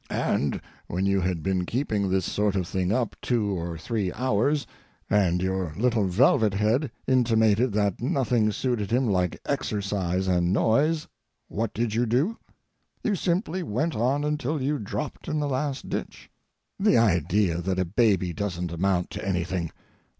And, when you had been keeping this sort of thing up two or three hours, and your little velvet head intimated that nothing suited him like exercise and noise, what did you do? You simply went on until you dropped in the last ditch. The idea that a baby doesn't amount to anything!